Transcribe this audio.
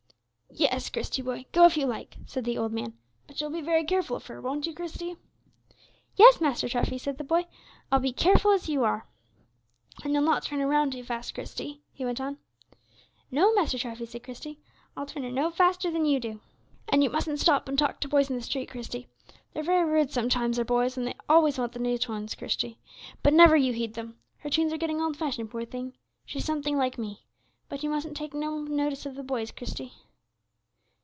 "Yes, Christie, boy, go if you like," said the old man; "but you'll be very careful of her, won't you, Christie?" "Yes, Master Treffy," said the boy, "I'll be as careful as you are." "And you'll not turn her round too fast, Christie," he went on. "No, Master Treffy," said Christie, "I'll turn her no faster than you do." "And you mustn't stop and talk to boys in the street, Christie; they're very rude sometimes, are boys, and they always want the new tunes, Christie; but never you heed them. Her tunes are getting old fashioned, poor old thing; she's something like me. But you mustn't take no notice of the boys, Christie."